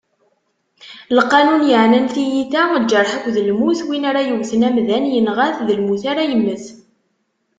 Lqanun yeɛnan tiyita, lǧerḥ akked lmut, win ara yewten amdan, inɣa-t, d lmut ara yemmet.